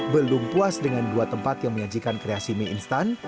belum puas dengan dua tempat yang menyajikan kreasi mie instan